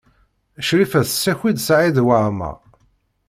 Crifa tessaki-d Saɛid Waɛmaṛ.